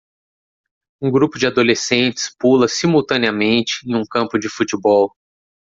Um grupo de adolescentes pula simultaneamente em um campo de futebol.